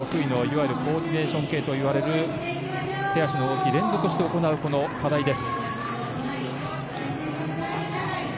得意のコーディネーション系といわれる手足の動き、連続して行うこの課題です。